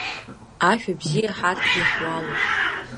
Ашәа бзиа ҳарҭ иаҳуалуп.